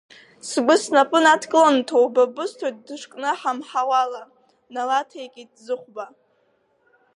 Сгәы снапы надкыланы ҭоуба бысҭоит дышкнаҳамҳауала, налаҭеикит Зыхәба.